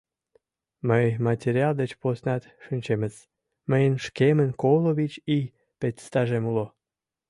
— Мый материал деч поснат шинчемыс... мыйын шкемын коло вич ий педстажем уло...